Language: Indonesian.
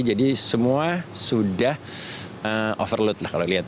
jadi semua sudah overload lah kalau lihat